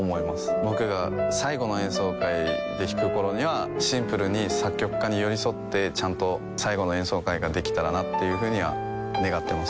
僕が最後の演奏会で弾くころにはシンプルに作曲家に寄り添ってちゃんと最後の演奏会ができたらなというふうには願っています